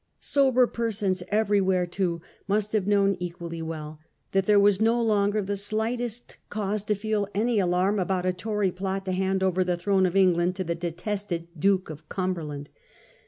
Sober persons everywhere, too, must have known equally well that there was no longer the slightest cause to feel any alarm about a Tory plot to hand over the throne of England to the detested Duke of Cumberland.